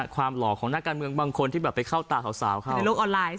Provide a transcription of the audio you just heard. ความหลอกของหน้าการเมืองบางคนที่แบบไปเข้าตาสาวเป็นโลกออนไลน์นะคะ